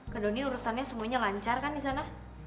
kak doni urusannya semuanya lancar kan di sana